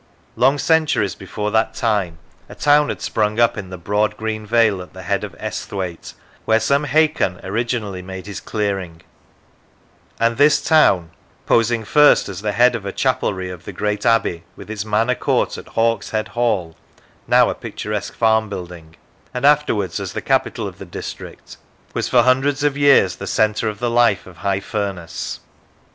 Long centuries before that time a town had sprung up in the broad green vale at the head of Esthwaite, where some Hakon originally made his clearing; and this town, posing first as the head of a chapelry of the great abbey, with its manor court at Hawkshead Hall (now a picturesque farm building), and afterwards as the capital of the district, was for hundreds of years the centre of the life of High Furness.